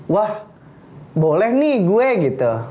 wah boleh nih gue gitu